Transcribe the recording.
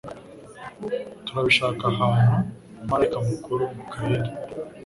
turabishaka ahantu umumarayika mukuru Mikayeli